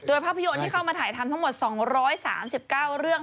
โดยภาพยนตร์ที่เข้ามาถ่ายทำทั้งหมด๒๓๙เรื่อง